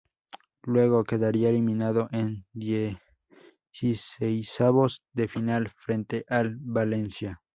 Luego, quedaría eliminado en dieciseisavos de final frente al Valencia.